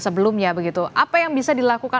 sebelumnya begitu apa yang bisa dilakukan